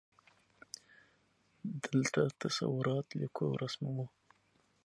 دلته تصورات لیکو او رسموو.